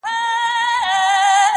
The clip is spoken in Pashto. د اصيلو، سردارانو، پاچاهانو